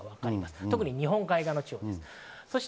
特に日本海側の地方です。